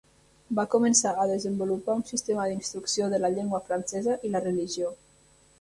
Va començar a desenvolupar un sistema d'instrucció de la llengua francesa i la religió.